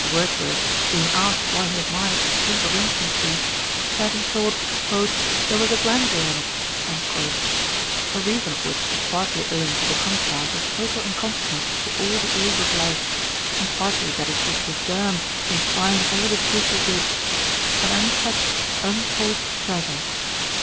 Wordsworth being asked why he admired the sleep of infancy, said he thought a there was a grandeur in it ;" the reason of which is partly owing to the contrast of total unconsciousness to all the ills of life, and partly that it is the germ implying all the future good ; an untouched, untold treasure.